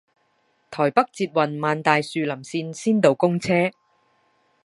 台北捷運萬大樹林線先導公車